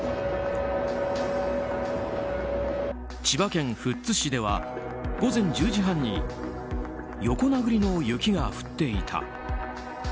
千葉県富津市では午前１０時半に横殴りの雪が降っていた。